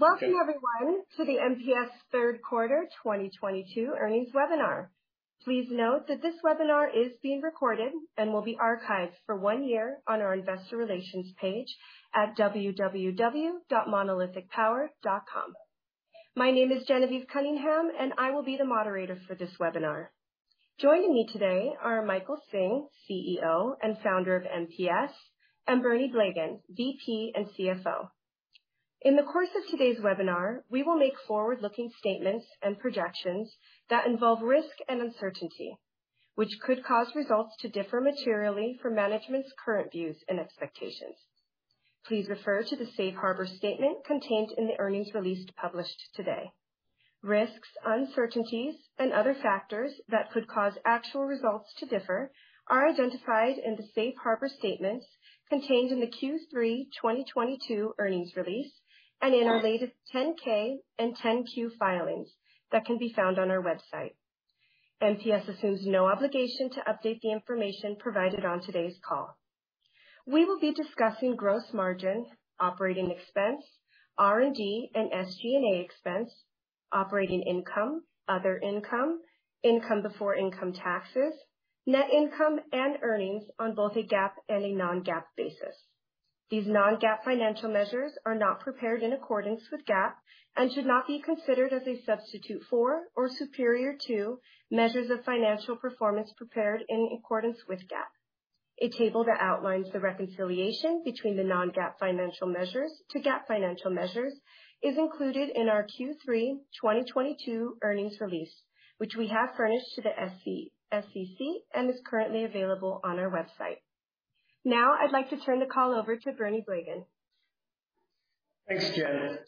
Welcome everyone to the MPS Third Quarter 2022 Earnings Webinar. Please note that this webinar is being recorded and will be archived for one year on our investor relations page at www.monolithicpower.com. My name is Genevieve Cunningham, and I will be the moderator for this webinar. Joining me today are Michael Hsing, CEO and founder of MPS, and Bernie Blegen, VP and CFO. In the course of today's webinar, we will make forward-looking statements and projections that involve risk and uncertainty, which could cause results to differ materially from management's current views and expectations. Please refer to the safe harbor statement contained in the earnings release published today. Risks, uncertainties, and other factors that could cause actual results to differ are identified in the safe harbor statements contained in the Q3 2022 earnings release and in our latest 10-K and 10-Q filings that can be found on our website. MPS assumes no obligation to update the information provided on today's call. We will be discussing gross margin, operating expense, R&D, and SG&A expense, operating income, other income before income taxes, net income, and earnings on both a GAAP and a non-GAAP basis. These non-GAAP financial measures are not prepared in accordance with GAAP and should not be considered as a substitute for or superior to measures of financial performance prepared in accordance with GAAP. A table that outlines the reconciliation between the non-GAAP financial measures to GAAP financial measures is included in our Q3 2022 earnings release, which we have furnished to the SEC and is currently available on our website. Now I'd like to turn the call over to Bernie Blegen. Thanks, Gen.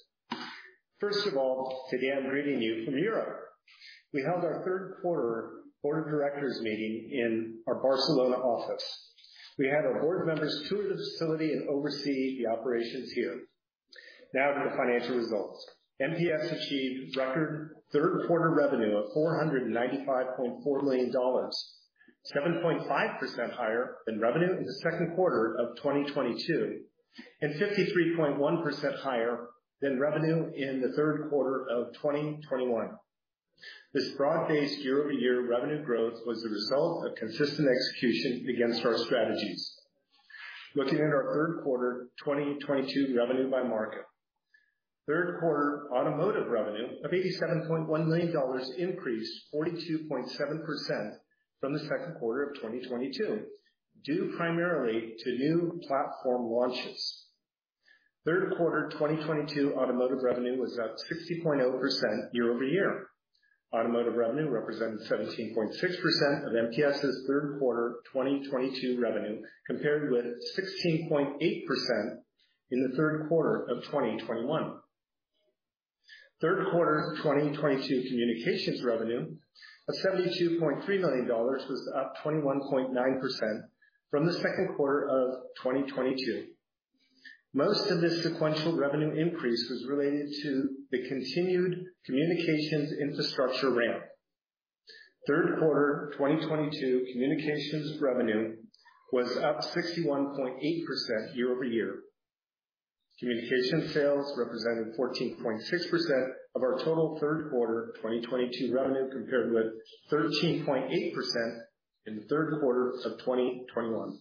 First of all, today I'm greeting you from Europe. We held our third quarter board of directors meeting in our Barcelona office. We had our board members tour the facility and oversee the operations here. Now to the financial results. MPS achieved record third quarter revenue of $495.4 million, 7.5% higher than revenue in the second quarter of 2022, and 53.1% higher than revenue in the third quarter of 2021. This broad-based year-over-year revenue growth was the result of consistent execution against our strategies. Looking at our third quarter 2022 revenue by market. Third quarter automotive revenue of $87.1 million increased 42.7% from the second quarter of 2022, due primarily to new platform launches. Third quarter 2022 automotive revenue was up 60.0% year-over-year. Automotive revenue represented 17.6% of MPS's third quarter 2022 revenue, compared with 16.8% in the third quarter of 2021. Third quarter 2022 communications revenue of $72.3 million was up 21.9% from the second quarter of 2022. Most of this sequential revenue increase was related to the continued communications infrastructure ramp. Third quarter 2022 communications revenue was up 61.8% year-over-year. Communications sales represented 14.6% of our total third quarter 2022 revenue, compared with 13.8% in the third quarter of 2021.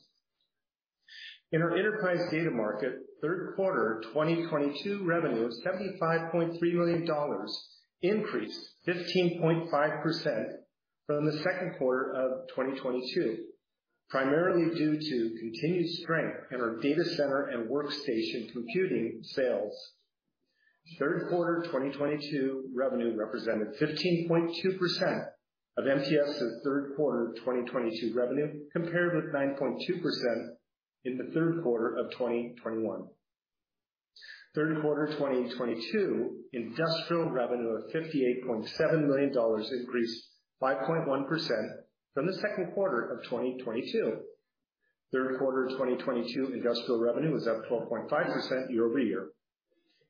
In our enterprise data market, third quarter 2022 revenue of $75.3 million increased 15.5% from the second quarter of 2022, primarily due to continued strength in our data center and workstation computing sales. Third quarter 2022 revenue represented 15.2% of MPS's third quarter 2022 revenue, compared with 9.2% in the third quarter of 2021. Third quarter 2022 industrial revenue of $58.7 million increased 5.1% from the second quarter of 2022. Third quarter 2022 industrial revenue was up 12.5% year-over-year.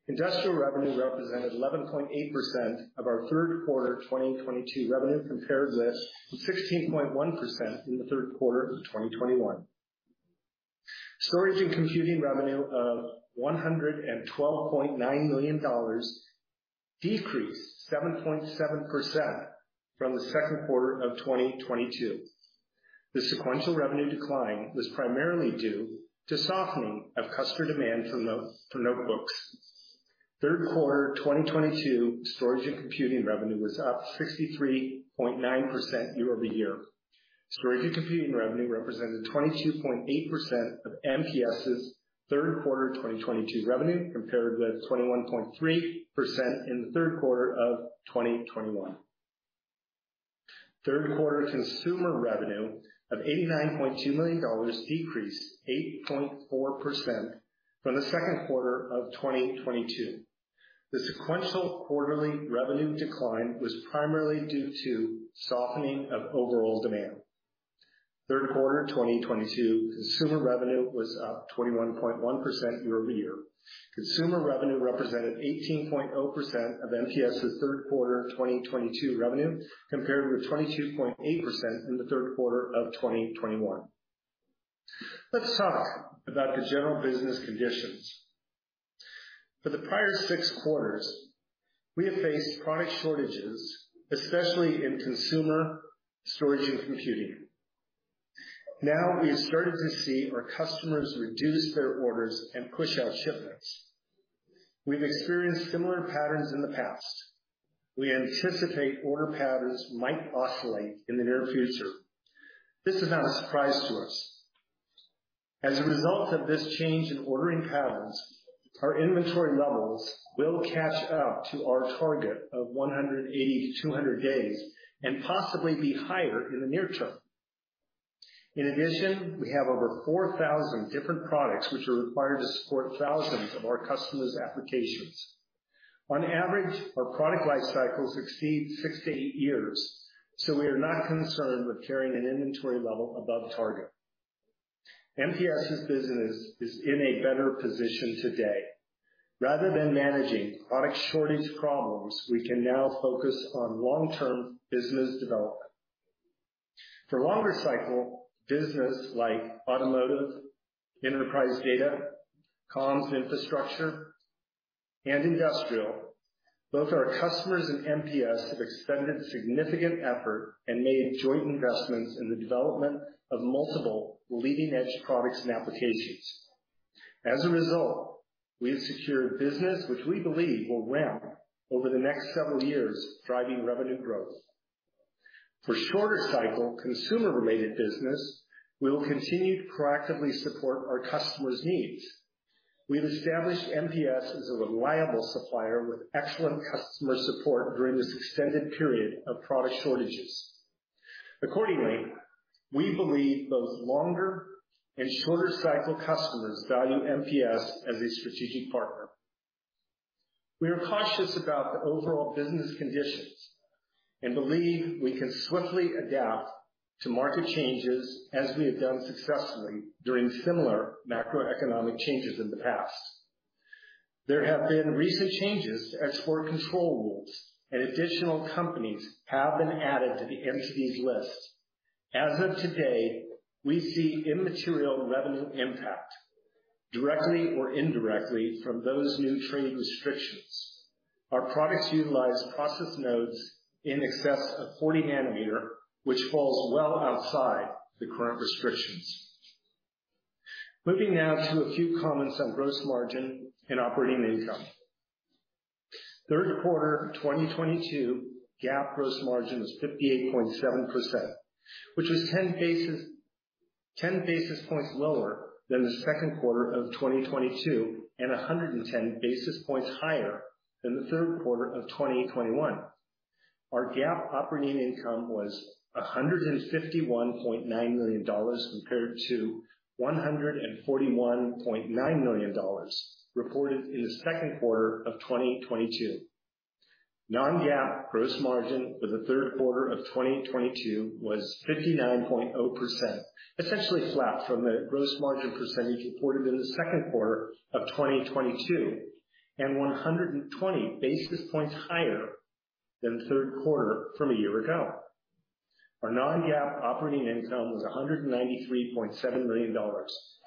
Industrial revenue represented 11.8% of our third quarter 2022 revenue, compared with 16.1% in the third quarter of 2021. Storage and computing revenue of $112.9 million decreased 7.7% from the second quarter of 2022. The sequential revenue decline was primarily due to softening of customer demand from notebooks. Third quarter 2022 storage and computing revenue was up 63.9% year-over-year. Storage and computing revenue represented 22.8% of MPS's third quarter 2022 revenue, compared with 21.3% in the third quarter of 2021. Third quarter consumer revenue of $89.2 million decreased 8.4% from the second quarter of 2022. The sequential quarterly revenue decline was primarily due to softening of overall demand. Third quarter 2022 consumer revenue was up 21.1% year-over-year. Consumer revenue represented 18.0% of MPS's third quarter 2022 revenue, compared with 22.8% in the third quarter of 2021. Let's talk about the general business conditions. For the prior six quarters, we have faced product shortages, especially in consumer storage and computing. Now we have started to see our customers reduce their orders and push out shipments. We've experienced similar patterns in the past. We anticipate order patterns might oscillate in the near future. This is not a surprise to us. As a result of this change in ordering patterns, our inventory levels will catch up to our target of 180-200 days and possibly be higher in the near term. In addition, we have over 4,000 different products which are required to support thousands of our customers' applications. On average, our product life cycles exceed six to eight years, so we are not concerned with carrying an inventory level above target. MPS's business is in a better position today. Rather than managing product shortage problems, we can now focus on long-term business development. For longer cycle business like automotive, enterprise data, comms infrastructure, and industrial, both our customers and MPS have expended significant effort and made joint investments in the development of multiple leading-edge products and applications. As a result, we have secured business which we believe will ramp over the next several years, driving revenue growth. For shorter cycle consumer-related business, we will continue to proactively support our customers' needs. We've established MPS as a reliable supplier with excellent customer support during this extended period of product shortages. Accordingly, we believe both longer and shorter cycle customers value MPS as a strategic partner. We are cautious about the overall business conditions and believe we can swiftly adapt to market changes as we have done successfully during similar macroeconomic changes in the past. There have been recent changes to export control rules, and additional companies have been added to the entities list. As of today, we see immaterial revenue impact directly or indirectly from those new trade restrictions. Our products utilize process nodes in excess of 40 nm, which falls well outside the current restrictions. Moving now to a few comments on gross margin and operating income. Third quarter of 2022, GAAP gross margin was 58.7%, which was 10 basis points lower than the second quarter of 2022 and 110 basis points higher than the third quarter of 2021. Our GAAP operating income was $151.9 million compared to $141.9 million reported in the second quarter of 2022. Non-GAAP gross margin for the third quarter of 2022 was 59.0%, essentially flat from the gross margin percentage reported in the second quarter of 2022 and 120 basis points higher than the third quarter from a year ago. Our non-GAAP operating income was $193.7 million,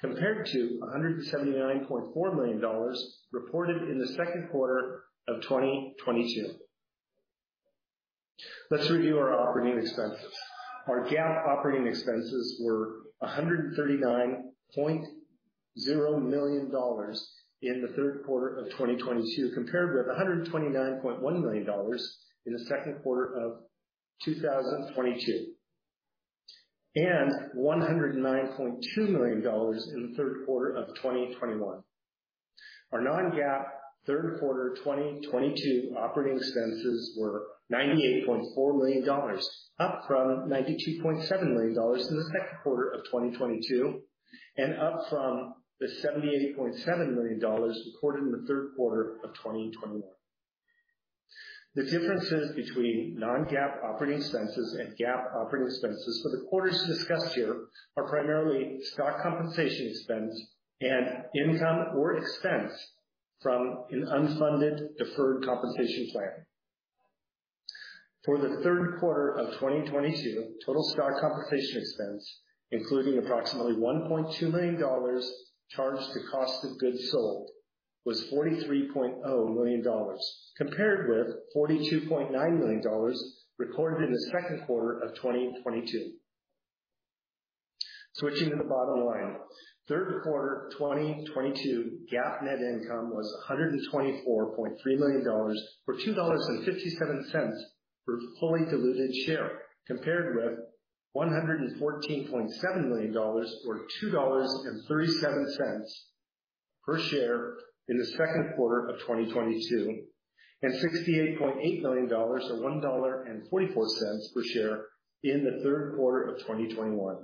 compared to $179.4 million reported in the second quarter of 2022. Let's review our operating expenses. Our GAAP operating expenses were $139.0 million in the third quarter of 2022, compared with $129.1 million in the second quarter of 2022, and $109.2 million in the third quarter of 2021. Our non-GAAP third quarter 2022 operating expenses were $98.4 million, up from $92.7 million in the second quarter of 2022, and up from the $78.7 million reported in the third quarter of 2021. The differences between non-GAAP operating expenses and GAAP operating expenses for the quarters discussed here are primarily stock compensation expense and income or expense from an unfunded deferred compensation plan. For the third quarter of 2022, total stock compensation expense, including approximately $1.2 million charged to cost of goods sold, was $43.0 million, compared with $42.9 million recorded in the second quarter of 2022. Switching to the bottom line. Third quarter 2022 GAAP net income was $124.3 million, or $2.57 per fully diluted share, compared with $114.7 million or $2.37 per share in the second quarter of 2022, and $68.8 million or $1.44 per share in the third quarter of 2021.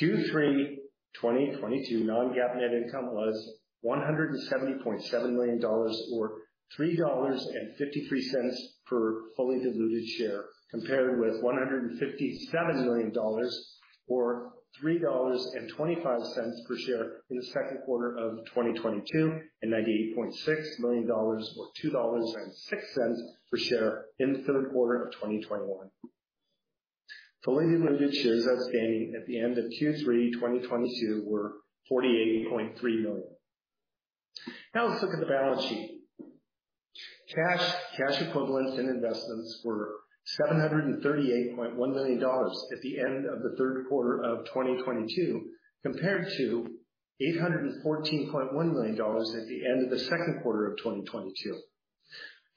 Q3 2022 non-GAAP net income was $170.7 million or $3.53 per fully diluted share, compared with $157 million or $3.25 per share in the second quarter of 2022, and $98.6 million or $2.06 per share in the third quarter of 2021. Fully diluted shares outstanding at the end of Q3 2022 were 48.3 million. Now let's look at the balance sheet. Cash, cash equivalents, and investments were $738.1 million at the end of the third quarter of 2022, compared to $814.1 million at the end of the second quarter of 2022.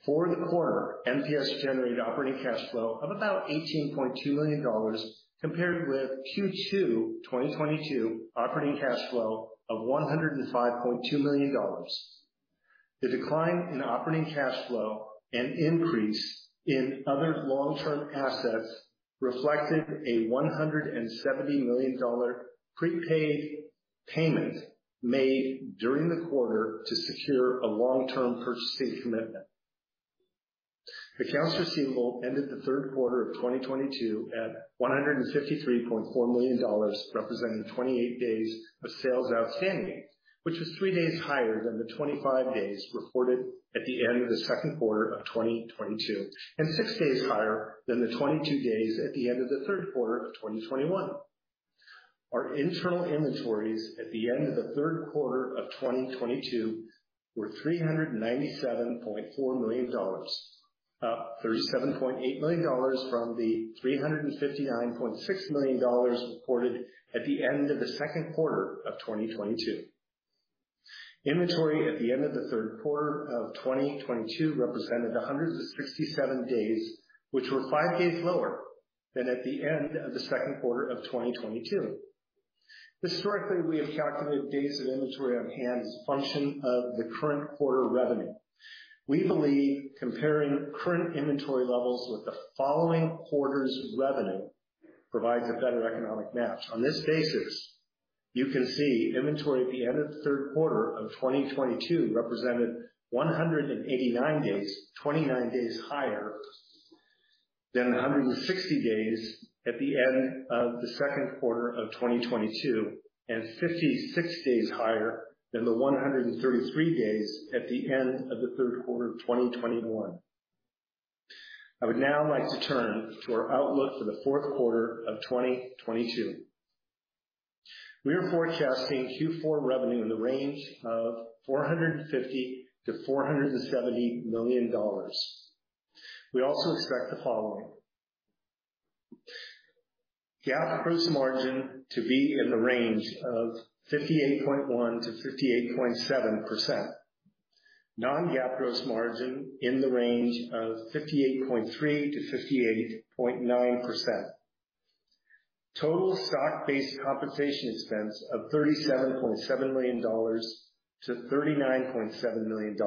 For the quarter, MPS generated operating cash flow of about $18.2 million compared with Q2 2022 operating cash flow of $105.2 million. The decline in operating cash flow and increase in other long-term assets reflected a $170 million prepaid payment made during the quarter to secure a long-term purchasing commitment. Accounts receivable ended the third quarter of 2022 at $153.4 million, representing 28 days of sales outstanding, which was three days higher than the 25 days reported at the end of the second quarter of 2022, and six days higher than the 22 days at the end of the third quarter of 2021. Our internal inventories at the end of the third quarter of 2022 were $397.4 million, up $37.8 million from the $359.6 million reported at the end of the second quarter of 2022. Inventory at the end of the third quarter of 2022 represented 167 days, which were five days lower than at the end of the second quarter of 2022. Historically, we have calculated days of inventory on hand as a function of the current quarter revenue. We believe comparing current inventory levels with the following quarter's revenue provides a better economic match. On this basis, you can see inventory at the end of the third quarter of 2022 represented 189 days, 29 days higher than the 160 days at the end of the second quarter of 2022, and 56 days higher than the 133 days at the end of the third quarter of 2021. I would now like to turn to our outlook for the fourth quarter of 2022. We are forecasting Q4 revenue in the range of $450 million-$470 million. We also expect the following. GAAP gross margin to be in the range of 58.1%-58.7%. Non-GAAP gross margin in the range of 58.3%-58.9%. Total stock-based compensation expense of $37.7 million-$39.7 million,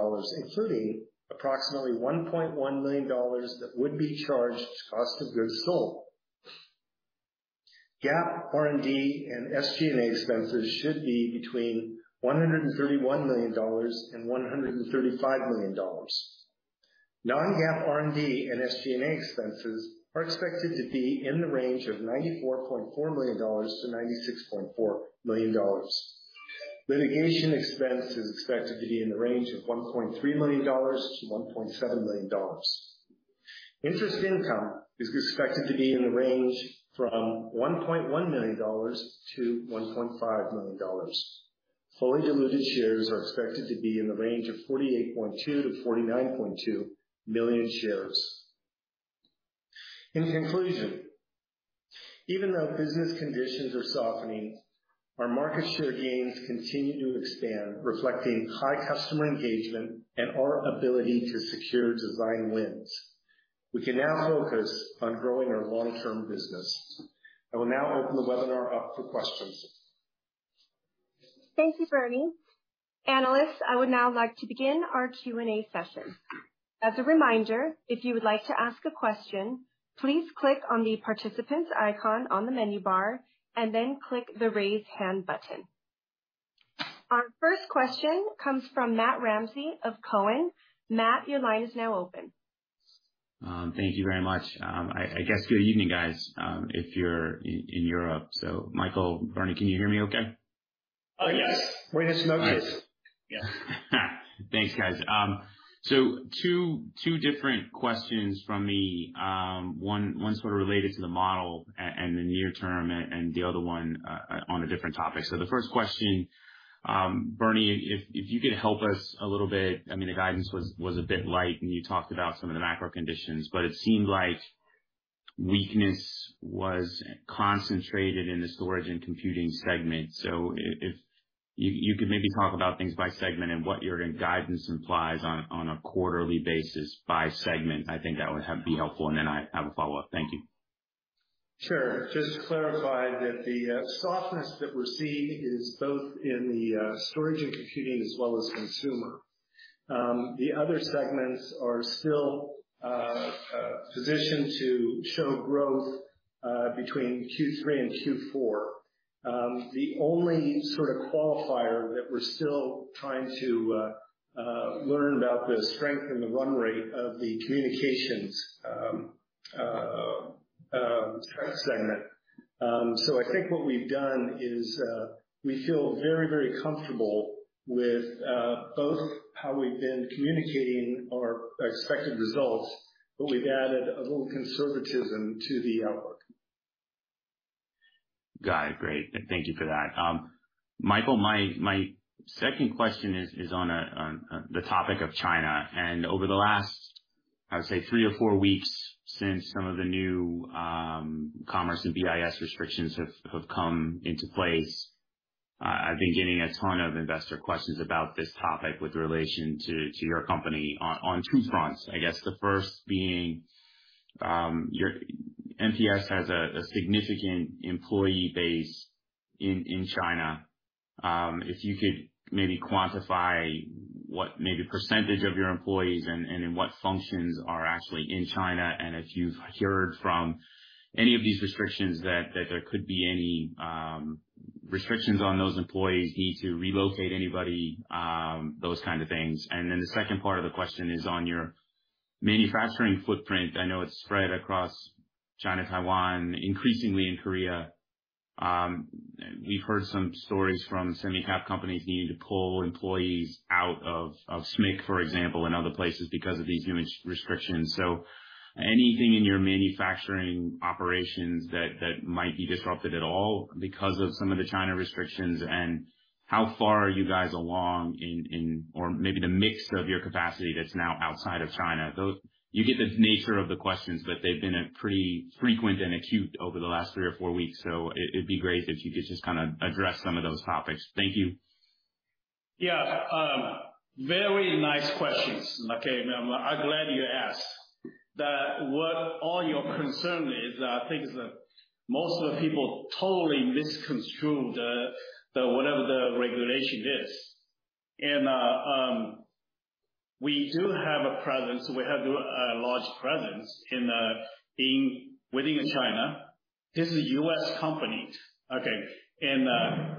including approximately $1.1 million that would be charged to cost of goods sold. GAAP R&D and SG&A expenses should be between $131 million and $135 million. Non-GAAP R&D and SG&A expenses are expected to be in the range of $94.4 million-$96.4 million. Litigation expense is expected to be in the range of $1.3 million-$1.7 million. Interest income is expected to be in the range from $1.1 million to $1.5 million. Fully diluted shares are expected to be in the range of 48.2 million-49.2 million shares. In conclusion, even though business conditions are softening, our market share gains continue to expand, reflecting high customer engagement and our ability to secure design wins. We can now focus on growing our long-term business. I will now open the webinar up for questions. Thank you, Bernie. Analysts, I would now like to begin our Q&A session. As a reminder, if you would like to ask a question, please click on the participant's icon on the menu bar and then click the raise hand button. Our first question comes from Matthew Ramsay of Cowen. Matt, your line is now open. Thank you very much. I guess good evening, guys, if you're in Europe. Michael, Bernie, can you hear me okay? Yes. We can hear you. Thanks, guys. Two different questions from me. One sort of related to the model and the near term and the other one on a different topic. The first question, Bernie, if you could help us a little bit. I mean, the guidance was a bit light when you talked about some of the macro conditions, but it seemed like weakness was concentrated in the storage and computing segment. If you could maybe talk about things by segment and what your guidance implies on a quarterly basis by segment, I think that would be helpful. I have a follow-up. Thank you. Sure. Just to clarify that the softness that we're seeing is both in the storage and computing as well as consumer. The other segments are still positioned to show growth between Q3 and Q4. The only sort of qualifier that we're still trying to learn about the strength and the run rate of the communications segment. I think what we've done is we feel very, very comfortable with both how we've been communicating our expected results, but we've added a little conservatism to the outlook. Got it. Great. Thank you for that. Michael, my second question is on the topic of China. Over the last, I would say three or four weeks since some of the new Commerce and BIS restrictions have come into place, I've been getting a ton of investor questions about this topic with relation to your company on two fronts. I guess the first being, your MPS has a significant employee base in China. If you could maybe quantify what maybe percentage of your employees and in what functions are actually in China, and if you've heard from any of these restrictions that there could be any restrictions on those employees, need to relocate anybody, those kind of things. The second part of the question is on your manufacturing footprint. I know it's spread across China, Taiwan, increasingly in Korea. We've heard some stories from semi-cap companies needing to pull employees out of SMIC, for example, and other places because of these new restrictions. Anything in your manufacturing operations that might be disrupted at all because of some of the China restrictions? How far are you guys along in or maybe the mix of your capacity that's now outside of China. You get the nature of the questions, but they've been pretty frequent and acute over the last three or four weeks. It'd be great if you could just kinda address some of those topics. Thank you. Very nice questions. Okay. I'm glad you asked. What all your concern is, I think the most of the people totally misconstrued the whatever the regulation is. We do have a presence. We have a large presence within China. This is U.S. company, okay?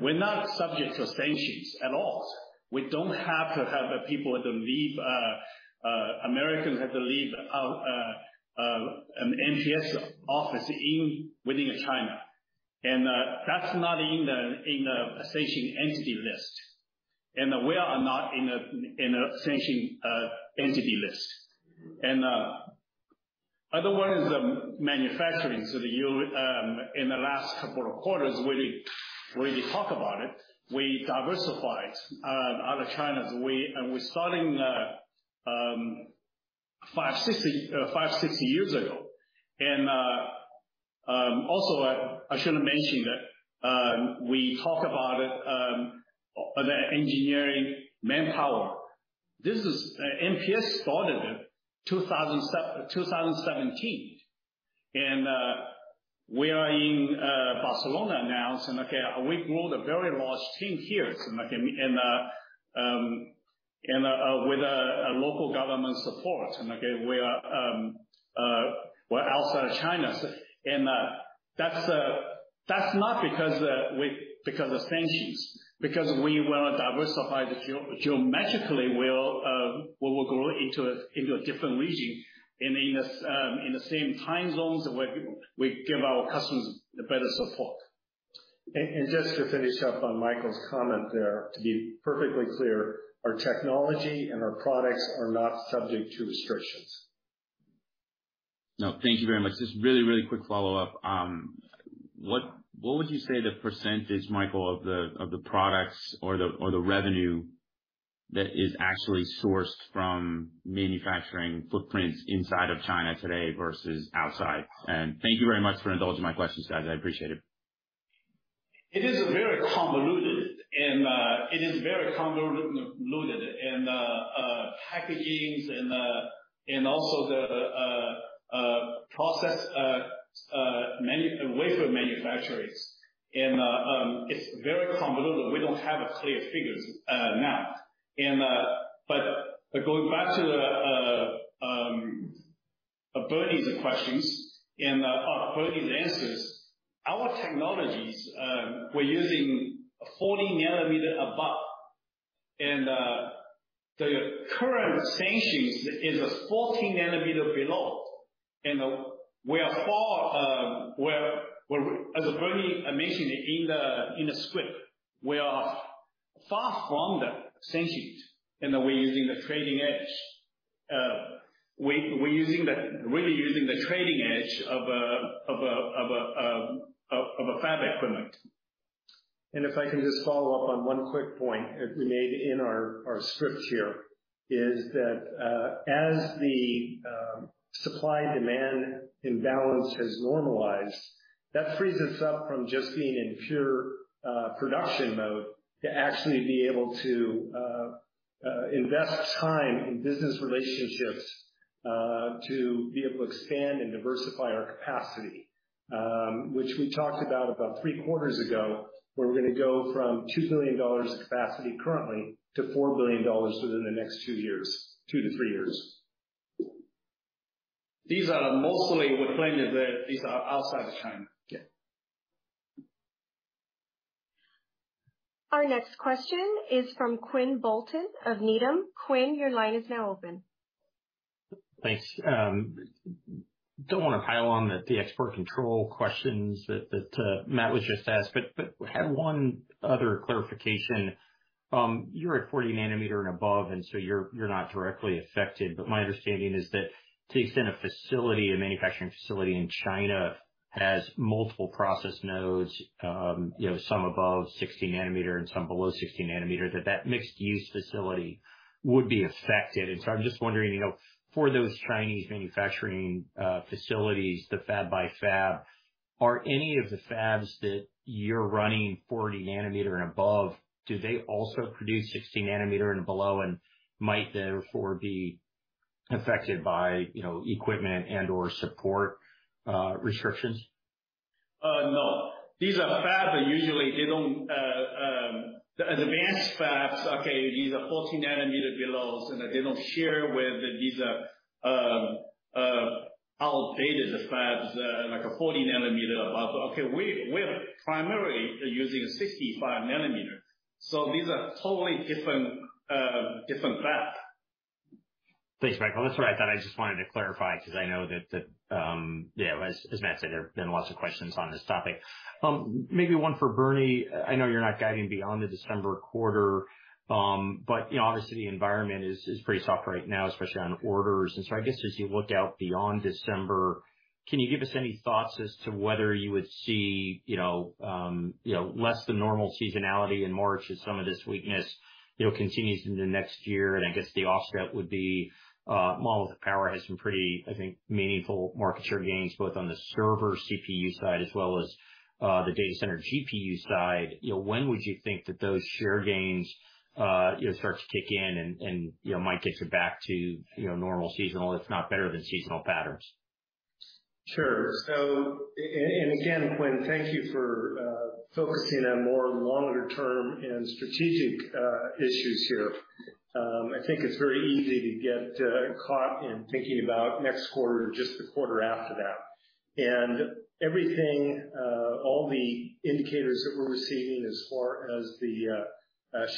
We're not subject to sanctions at all. We don't have to have Americans leave our MPS office within China. That's not in the sanctioned entity list. We are not in a sanctioned entity list. Otherwise, the manufacturing. You, in the last couple of quarters, we talk about it. We diversified out of China. We're starting five or six years ago. Also, I should have mentioned that we talk about it the engineering manpower. This is MPS started in 2017. We are in Barcelona now, so okay, we've grown a very large team here and with local government support. We are outside of China. That's not because of sanctions, because we wanna diversify geographically. We will grow into a different region. In the same time zones where we give our customers the better support. Just to finish up on Michael's comment there, to be perfectly clear, our technology and our products are not subject to restrictions. No, thank you very much. Just really, really quick follow-up. What would you say the percentage, Michael, of the products or the revenue that is actually sourced from manufacturing footprints inside of China today versus outside? Thank you very much for indulging my questions, guys. I appreciate it. It is very convoluted, and it is very convoluted, and packaging's and also the process, many wafer manufacturers. It's very convoluted. We don't have clear figures now. Going back to Bernie's questions and Bernie's answers, our technologies, we're using 40 nm above. The current sanctions is 14 nm below. We are far, we're as Bernie mentioned in the script, we are far from the sanctions, and we're using the trailing edge. We're using the trailing edge of a fab equipment. If I can just follow up on one quick point that we made in our script here, is that, as the supply/demand imbalance has normalized, that frees us up from just being in pure production mode to actually be able to invest time in business relationships, to be able to expand and diversify our capacity, which we talked about three quarters ago, where we're gonna go from $2 billion of capacity currently to $4 billion within the next two years, two to three years. These are mostly. We're claiming that these are outside of China. Yeah. Our next question is from Quinn Bolton of Needham. Quinn, your line is now open. Thanks. Don't wanna pile on the export control questions that Matt was just asked, but had one other clarification. You're at 40 nm and above, and so you're not directly affected. My understanding is that to extend a facility, a manufacturing facility in China has multiple process nodes, you know, some above 60 nm and some below 60 nm that mixed use facility would be affected. I'm just wondering, you know, for those Chinese manufacturing facilities, the fab by fab, are any of the fabs that you're running 40 nm and above, do they also produce 60 nm and below, and might therefore be affected by, you know, equipment and/or support restrictions? No. These are fab, but usually they don't. The advanced fabs, okay, these are 14 nm below, so they don't share with these outdated fabs like a 40 nm above. Okay, we're primarily using 65 nm, so these are totally different fabs. Thanks, Michael. That's what I thought. I just wanted to clarify, because I know as Matt said, there have been lots of questions on this topic. Maybe one for Bernie. I know you're not guiding beyond the December quarter, but obviously the environment is pretty soft right now, especially on orders. I guess as you look out beyond December, can you give us any thoughts as to whether you would see you know less than normal seasonality in March as some of this weakness you know continues into next year? I guess the offset would be, Monolithic Power has some pretty I think meaningful market share gains, both on the server CPU side as well as the data center GPU side. You know, when would you think that those share gains, you know, start to kick in and you know, might get you back to, you know, normal seasonal, if not better than seasonal patterns? Sure. So and again, Quinn, thank you for focusing on more longer term and strategic issues here. I think it's very easy to get caught in thinking about next quarter or just the quarter after that. Everything all the indicators that we're receiving as far as the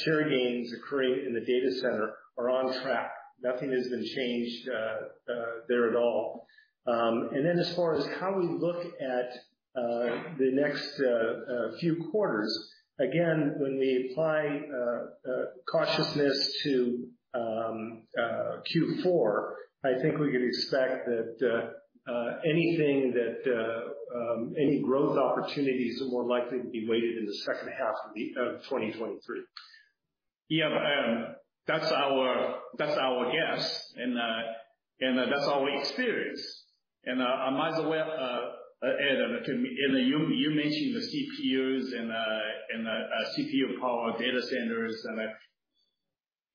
share gains occurring in the data center are on track. Nothing has been changed there at all. And then as far as how we look at the next few quarters, again, when we apply cautiousness to Q4, I think we could expect that anything that any growth opportunities are more likely to be weighted in the second half of 2023. Yeah, but that's our guess and that's our experience. I might as well add on to. You mentioned the CPUs and the CPU-powered data centers,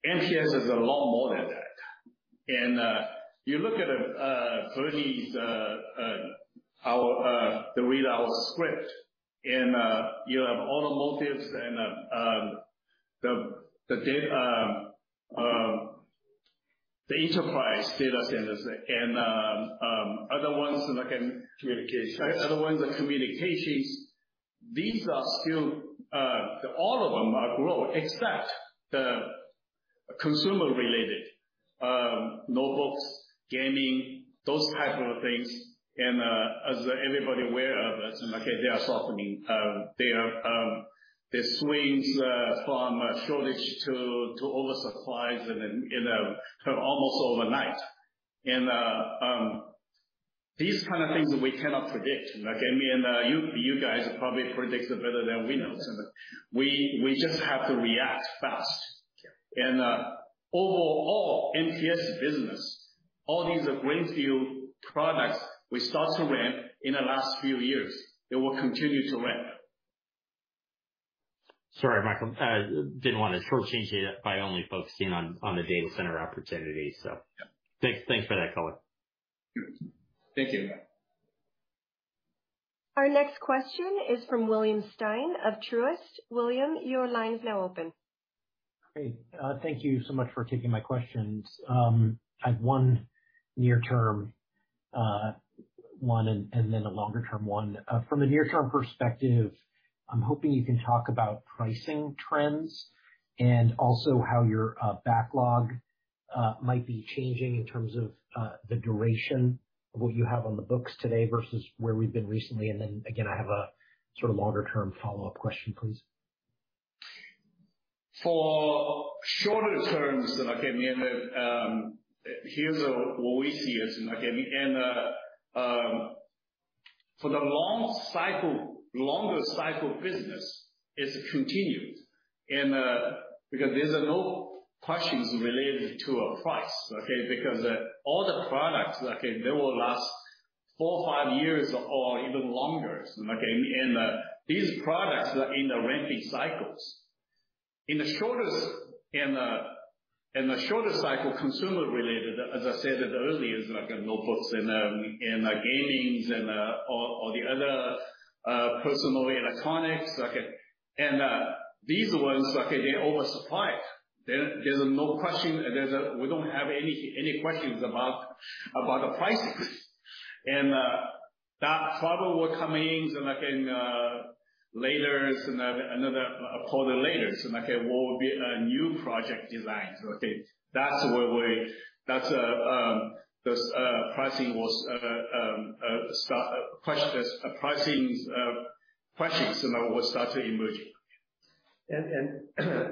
and MPS is a lot more than that. You look at Bernie's read our script and you have automotive and the enterprise data centers and other ones that can- Communication. Other ones are communications. These are still all of them are growing except the consumer-related notebooks, gaming, those types of things. As everybody is aware of, okay, they are softening. They swing from shortage to oversupply and then, you know, almost overnight. These kinds of things we cannot predict, okay? You guys probably predict it better than we know. We just have to react fast. Yeah. Overall, MPS business, all these greenfield products we start to win in the last few years, they will continue to win. Sorry, Michael, I didn't wanna shortchange it by only focusing on the data center opportunity. Thanks for that color. Thank you. Our next question is from William Stein of Truist. William, your line is now open. Great. Thank you so much for taking my questions. I have one near term, one and then a longer term one. From a near term perspective, I'm hoping you can talk about pricing trends and also how your backlog might be changing in terms of the duration of what you have on the books today versus where we've been recently. Then again, I have a sort of longer term follow-up question, please. For shorter terms, okay, here's what we see is, okay, for the longer cycle business, it continues because there's no questions related to price, okay? Because all the products, okay, they will last four or five years or even longer, okay? These products are in the ramping cycles. In the shortest cycle, consumer related, as I said earlier, is like notebooks and gaming and or the other personal electronics. Okay. These ones, okay, they're oversupplied. There's no question. We don't have any questions about the prices. That trouble will come in later, it's another quarter later, so I can go back to product designs. Okay? That's where this pricing questions, you know, will start to emerge.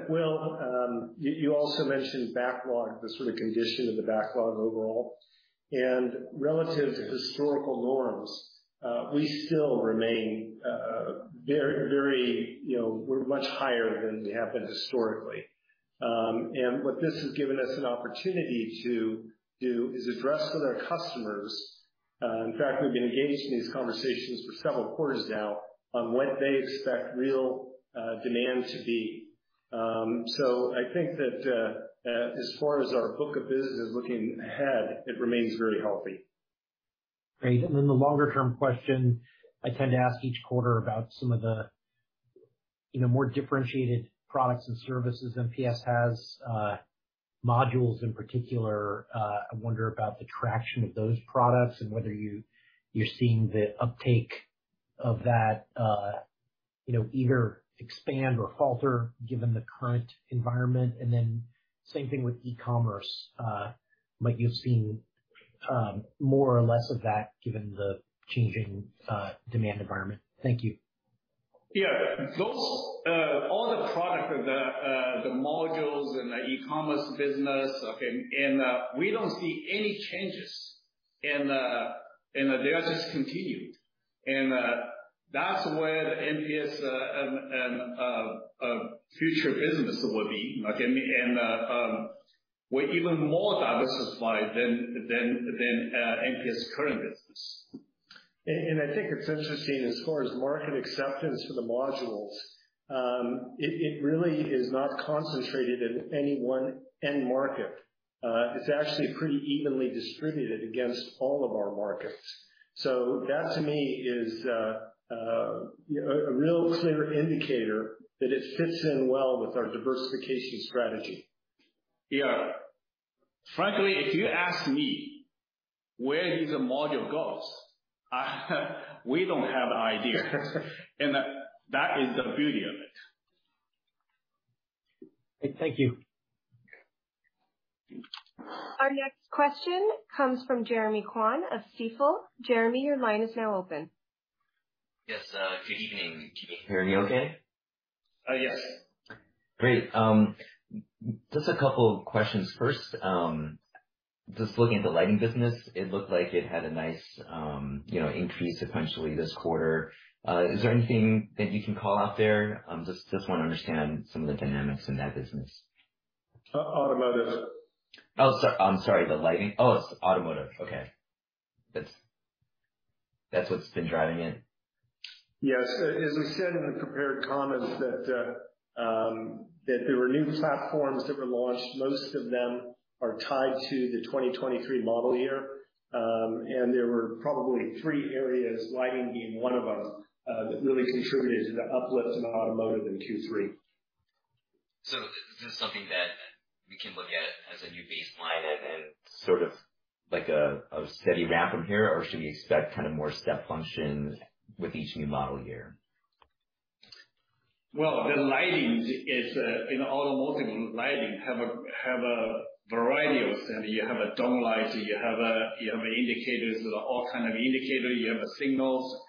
Will, you also mentioned backlog, the sort of condition of the backlog overall and relative to historical norms. We still remain very, you know, we're much higher than we have been historically. What this has given us an opportunity to do is address with our customers. In fact, we've been engaged in these conversations for several quarters now on what they expect real demand to be. I think that, as far as our book of business is looking ahead, it remains very healthy. Great. The longer term question, I tend to ask each quarter about some of the, you know, more differentiated products and services MPS has, modules in particular. I wonder about the traction of those products and whether you're seeing the uptake of that, you know, either expand or falter given the current environment. Then same thing with e-commerce. Might you have seen more or less of that given the changing demand environment? Thank you. Yeah. Those all the products, the modules and the e-commerce business, okay. We don't see any changes, and they are just continued. That's where the MPS future business will be. Okay. We're even more diversified than MPS current business. I think it's interesting as far as market acceptance for the modules, it really is not concentrated in any one end market. It's actually pretty evenly distributed against all of our markets. That to me is a real clear indicator that it fits in well with our diversification strategy. Yeah. Frankly, if you ask me where these module goes, we don't have idea. That is the beauty of it. Thank you. Our next question comes from Jeremy Kwan of Stifel. Jeremy, your line is now open. Yes. Good evening. Can you hear me okay? Yes. Great. Just a couple of questions first. Just looking at the lighting business, it looked like it had a nice, you know, increase sequentially this quarter. Is there anything that you can call out there? I'm just wanna understand some of the dynamics in that business. Automotive. I'm sorry, the lighting. Oh, automotive. Okay. That's what's been driving it. Yes. As we said in the prepared comments that there were new platforms that were launched. Most of them are tied to the 2023 model year. There were probably three areas, lighting being one of them, that really contributed to the uplift in automotive in Q3. Is this something that we can look at as a new baseline and then sort of like a steady ramp from here, or should we expect kind of more step functions with each new model year? Well, the lighting is in automotive lighting have a variety of them. You have dome lights, you have indicators, all kinds of indicators, you have signals,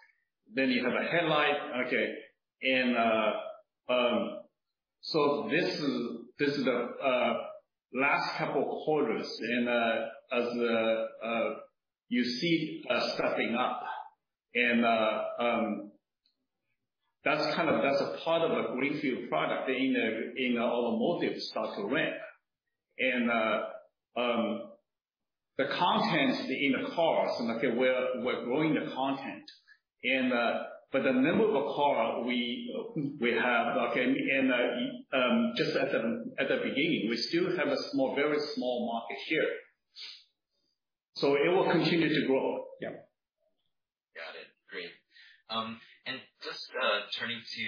then you have a headlight. Okay. This is the last couple of quarters and as you see us stepping up and that's a part of a greenfield product in automotive start to ramp. The contents in the cars, okay, we're growing the content and but the number of cars we have, okay, and just at the beginning, we still have a small, very small market share. It will continue to grow. Yeah. Got it. Great. Just turning to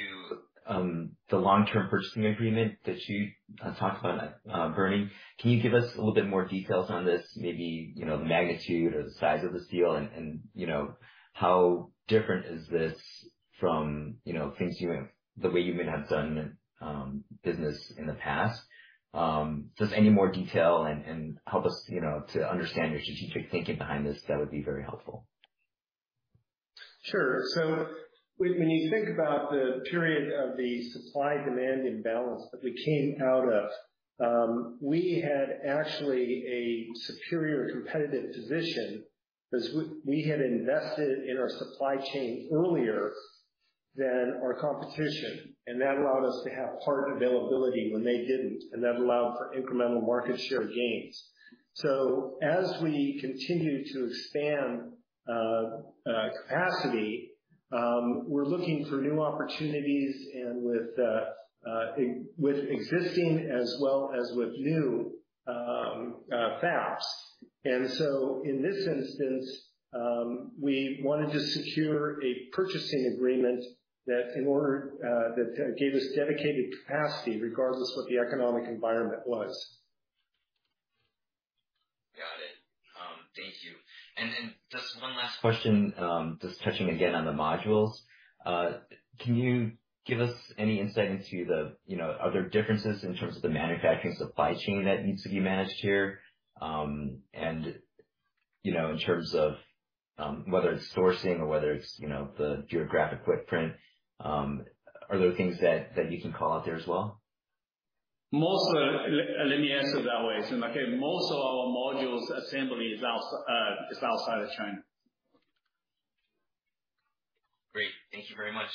the long-term purchasing agreement that you talked about, Bernie, can you give us a little bit more details on this? Maybe the magnitude or the size of this deal and how different is this from the way you may have done business in the past. Just any more detail and help us to understand your strategic thinking behind this, that would be very helpful. Sure. When you think about the period of the supply demand imbalance that we came out of, we had actually a superior competitive position because we had invested in our supply chain earlier than our competition, and that allowed us to have part availability when they didn't, and that allowed for incremental market share gains. As we continue to expand capacity, we're looking for new opportunities and with existing as well as with new fabs. In this instance, we wanted to secure a purchasing agreement that in order that gave us dedicated capacity regardless what the economic environment was. Just one last question, just touching again on the modules. Can you give us any insight into the, you know, are there differences in terms of the manufacturing supply chain that needs to be managed here? You know, in terms of whether it's sourcing or whether it's, you know, the geographic footprint, are there things that you can call out there as well? Let me answer that way. Okay, most of our modules assembly is outside of China. Great. Thank you very much.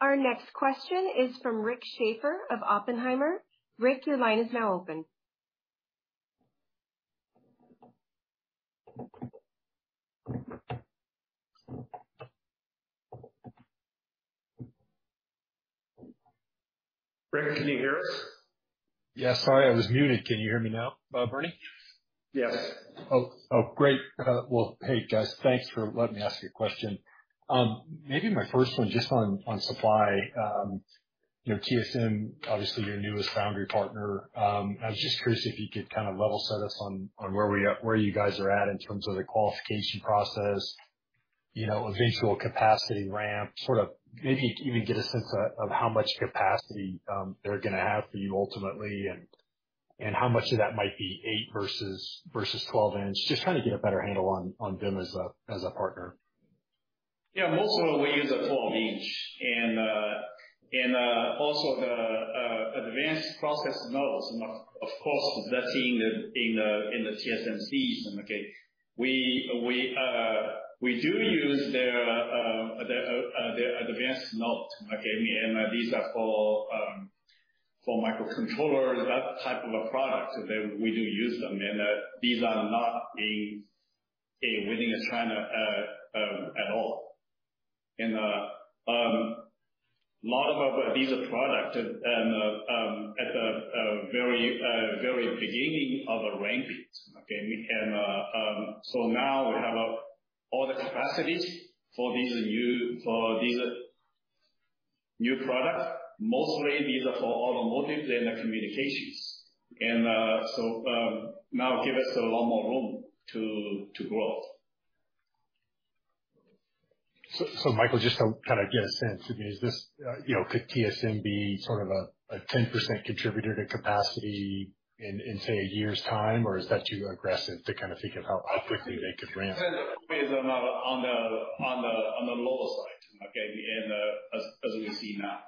Our next question is from Rick Schafer of Oppenheimer. Rick, your line is now open. Rick, can you hear us? Yes, sorry, I was muted. Can you hear me now, Bernie? Yes. Great. Well, hey guys. Thanks for letting me ask a question. Maybe my first one just on supply. You know, TSMC, obviously your newest foundry partner. I was just curious if you could kind of level set us on where you guys are at in terms of the qualification process, you know, eventual capacity ramp, sort of maybe even get a sense of how much capacity they're gonna have for you ultimately and how much of that might be 8 versus 12 inch. Just trying to get a better handle on them as a partner. Yeah. Most of them we use are 12-inch and also the advanced process nodes. Of course that's in the TSMC. Okay. We do use their advanced node, okay? These are for microcontroller, that type of a product. We do use them. These are not being built within China at all. A lot of these products at the very beginning of a ramp. Okay. Now we have all the capacities for these new products. Mostly these are for automotive and communications. Now give us a lot more room to grow. Michael, just to kind of get a sense. I mean, is this, you know, could TSMC be sort of a 10% contributor to capacity in, say, a year's time? Is that too aggressive to kind of think of how quickly they could ramp? On the lower side. Okay. As we see now.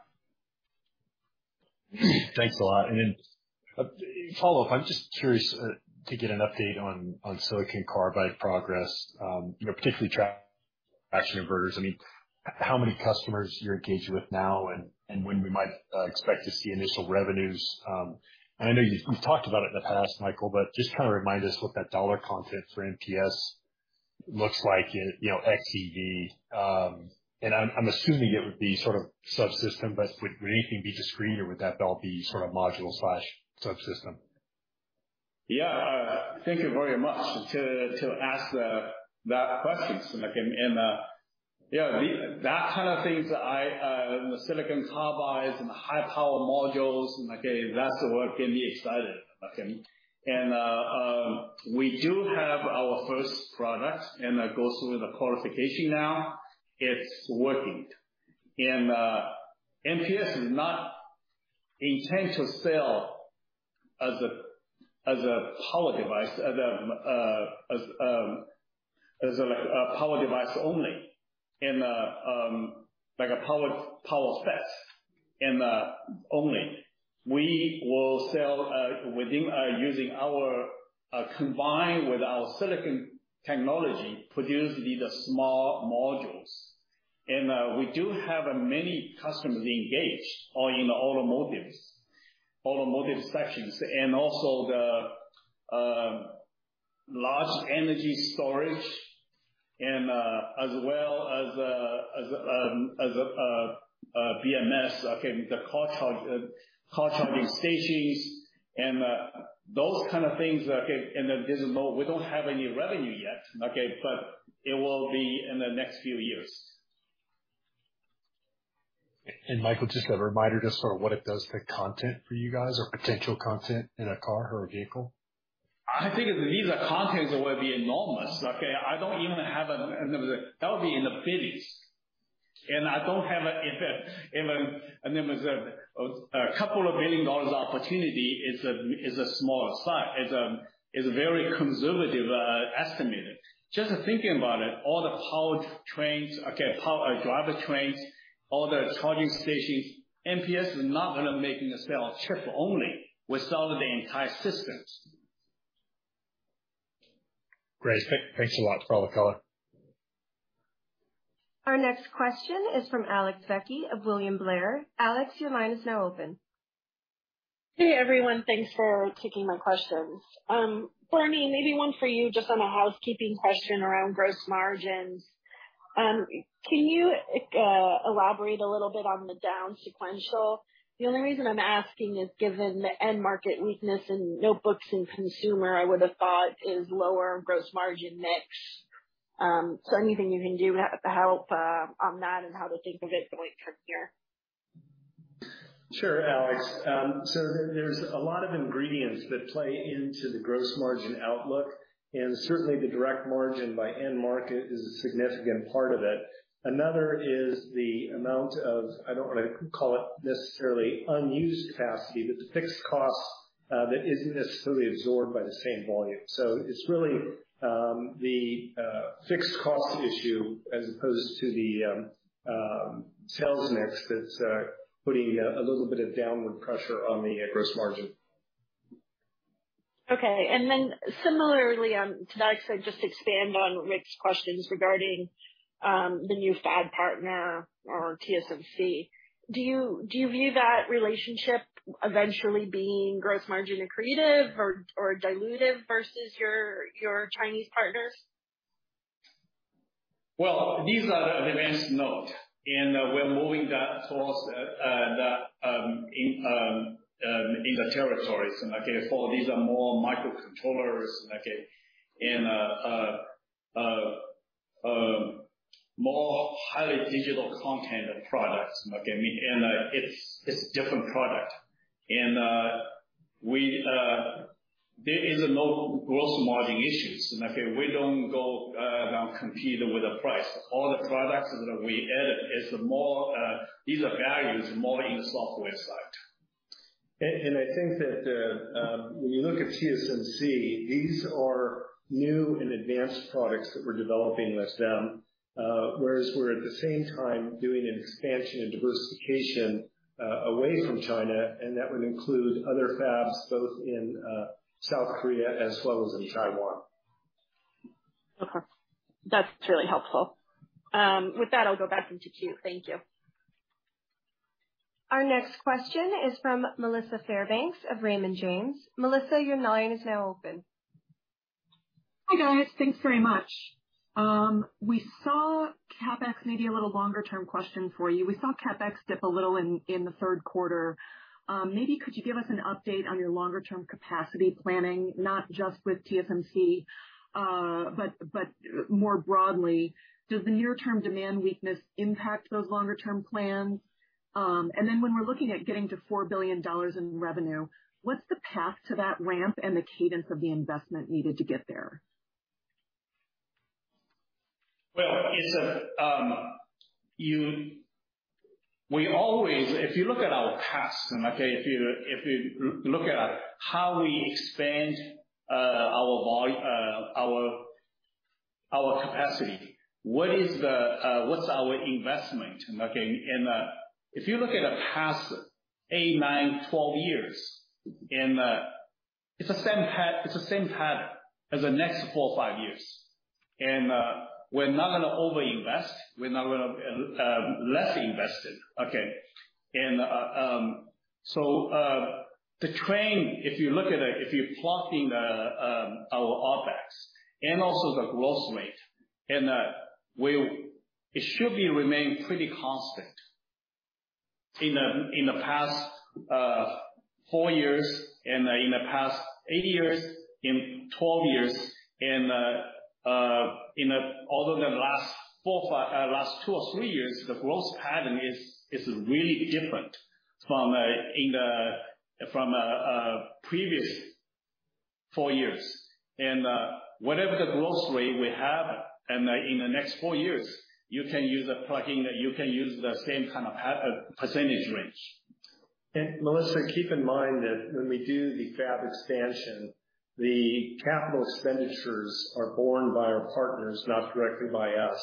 Thanks a lot. Then a follow-up, I'm just curious to get an update on silicon carbide progress, you know, particularly traction inverters. I mean, how many customers you're engaged with now and when we might expect to see initial revenues. I know we've talked about it in the past, Michael, but just kind of remind us what that dollar content for MPS looks like, you know, ex TV. I'm assuming it would be sort of subsystem, but would anything be discrete or would that all be sort of module/subsystem? Yeah. Thank you very much to ask that question. That kind of things, the silicon carbide and high power modules, okay, that's what can be exciting. We do have our first product and that goes through the qualification now. It's working. MPS is not intended to sell as a power device, as a power device only. Like a power set only. We will sell using our combined with our silicon technology produce these small modules. We do have many customers engaged all in the automotive sections and also the large energy storage and as well as a BMS, okay, the car charging stations and those kind of things. Okay. This is low. We don't have any revenue yet, okay, but it will be in the next few years. Michael, just a reminder, just sort of what it does to content for you guys or potential content in a car or a vehicle. I think these contents will be enormous. That would be in the. [inaudible] A couple of billion dollar opportunity is a very conservative estimate. Just thinking about it, all the power trains, power driver trains, all the charging stations, MPS is not gonna making the sales chip only. We sell the entire systems. Great. Thanks a lot for all the color. Our next question is from Alex Vecchi of William Blair. Alex, your line is now open. Hey, everyone. Thanks for taking my questions. Bernie, maybe one for you just on a housekeeping question around gross margins. Can you elaborate a little bit on the down sequential? The only reason I'm asking is given the end market weakness in notebooks and consumer. I would have thought is lower gross margin mix. Anything you can do to help on that and how to think of it going from here? Sure, Alex. There's a lot of ingredients that play into the gross margin outlook, and certainly the product margin by end market is a significant part of it. Another is the amount of, I don't wanna call it necessarily unused capacity, but the fixed cost that isn't necessarily absorbed by the same volume. It's really the fixed cost issue as opposed to the sales mix that's putting a little bit of downward pressure on the gross margin. Okay. Similarly, to Mike, just to expand on Rick's questions regarding the new fab partner or TSMC. Do you view that relationship eventually being gross margin accretive or dilutive versus your Chinese partners? Well, these are event notes, and we're moving the sourcing into other territories, okay? These are more microcontrollers, okay, and more highly digital content products, okay? It's different product. There is no gross margin issues, okay? We don't go down to compete with the price. All the products that we added is more value more in the software side. I think that when you look at TSMC, these are new and advanced products that we're developing with them, whereas we're at the same time doing an expansion and diversification away from China, and that would include other fabs both in South Korea as well as in Taiwan. Okay. That's really helpful. With that, I'll go back into queue. Thank you. Our next question is from Melissa Fairbanks of Raymond James. Melissa, your line is now open. Hi, guys. Thanks very much. We saw CapEx, maybe a little longer-term question for you. We saw CapEx dip a little in the third quarter. Maybe could you give us an update on your longer-term capacity planning, not just with TSMC, but more broadly? Does the near-term demand weakness impact those longer-term plans? When we're looking at getting to $4 billion in revenue, what's the path to that ramp and the cadence of the investment needed to get there? Well, we always if you look at our past, and okay, if you look at how we expand our capacity, what's our investment, okay? So the trend, if you look at it, if you plot in our OpEx and also the growth rate, it should remain pretty constant. In the past four years and in the past eight years, and 12 years other than last two or three years, the growth pattern is really different from previous four years. Whatever the growth rate we have in the next four years, you can use a plug-in, you can use the same kind of percentage range. [inaudible] keep in mind that when we do the fab expansion, the capital expenditures are borne by our partners, not directly by us.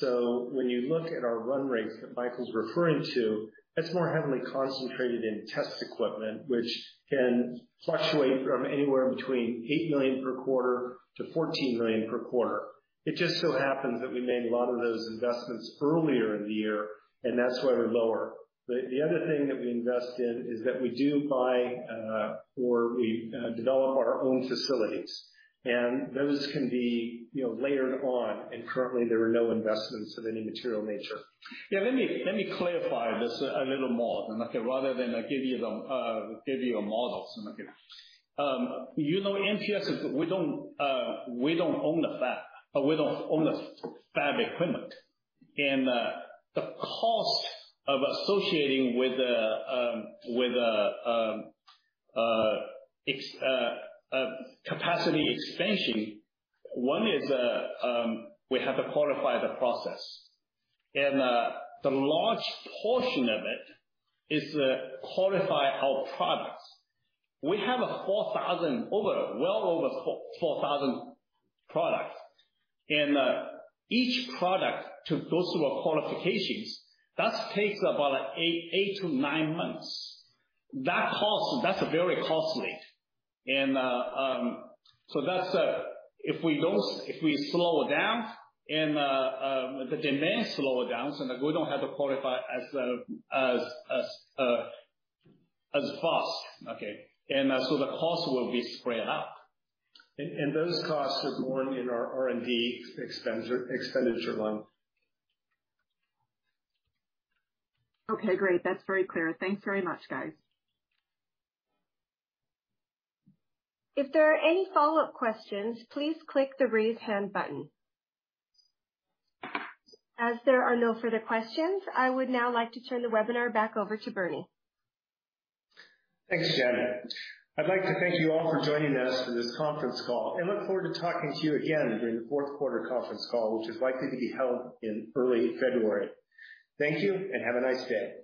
When you look at our run rate that Michael's referring to, that's more heavily concentrated in test equipment, which can fluctuate from anywhere between $8 million per-quarter to $14 million per-quarter. It just so happens that we made a lot of those investments earlier in the year, and that's why we're lower. The other thing that we invest in is that we do buy or we develop our own facilities, and those can be, you know, layered on. Currently, there are no investments of any material nature. Yeah, let me clarify this a little more, okay? Rather than I give you a model, okay. You know, MPS, we don't own the fab. We don't own the fab equipment. The cost of associating with the capacity expansion, one is we have to qualify the process. The large portion of it is to qualify our products. We have well over 4,000 products. Each product to go through qualifications takes about eight to nine months. That cost is very costly. So that's if we slow down and the demand slow down, so we don't have to qualify as fast, okay? The cost will be spread out. Those costs are borne in our R&D expenditure line. Okay, great. That's very clear. Thanks very much, guys. If there are any follow-up questions, please click the Raise Hand button. As there are no further questions, I would now like to turn the webinar back over to Bernie. Thanks, Gen. I'd like to thank you all for joining us for this conference call and look forward to talking to you again during the fourth quarter conference call, which is likely to be held in early February. Thank you, and have a nice day.